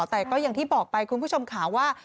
แต่ก็อย่างที่บอกไปคุณผู้ชมค่ะว่า